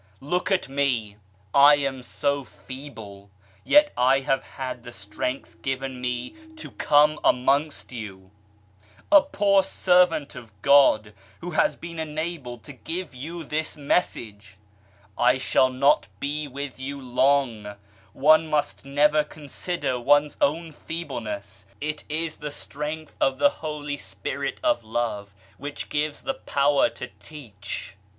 Look at me : I am so feeble, yet I have had the strength given me to come amongst you : a poor servant of God, who has been enabled to give you this message 1 I shall not be with you long I One must never consider one's own feebleness, it is the Strength of the Holy c 34 IMPRISONMENT Spirit of Love, which gives the power to tea'ch.